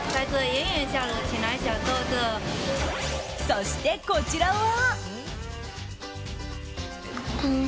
そして、こちらは。